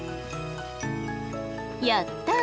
やった！